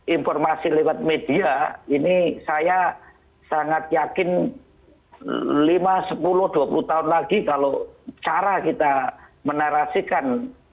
informasi lewat media ini saya sangat yakin lima sepuluh dua puluh tahun lagi kalau cara kita menarasikan